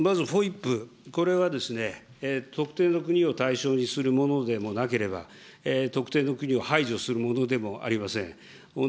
まずＦＯＩＰ、これはですね、特定の国を対象にするものでもなければ、特定の国を排除するものでもありません。